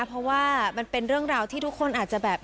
เพราะว่ามันเป็นเรื่องราวที่ทุกคนอาจจะแบบ